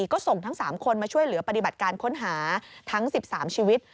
ก็ส่งทั้ง๓คนมาช่วยเหลือปฏิบัติการค้นหาทั้ง๑๓ชีวิต